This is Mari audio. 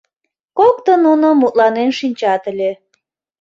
Коктын нуно мутланен шинчат ыле.